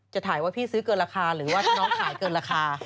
จะถ่ายว่าพี่ซื้อเกินราคาหรือว่าถ้าน้องขายเกินราคา